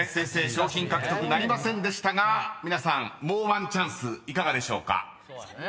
賞品獲得なりませんでしたが皆さんもうワンチャンスいかがでしょうか？］